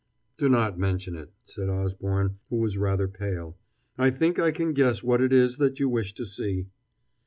"Do not mention it," said Osborne, who was rather pale. "I think I can guess what it is that you wish to see...."